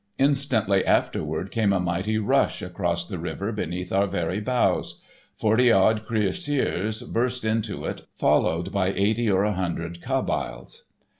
Instantly afterward came a mighty rush across the river beneath our very bows. Forty odd cuirassiers burst into it, followed by eighty or a hundred Kabyles.